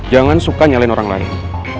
jangan suka nyalain orang lain